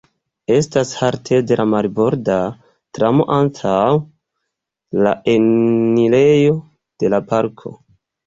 Estas haltejo de la marborda tramo antaŭ la enirejo de la parko.